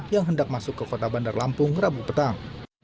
yang hendak masuk ke kota bandar lampung rabu petang